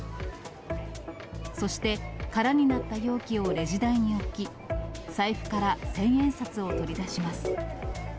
そして、空になった容器をレジ台に置き、財布から千円札を取り出します。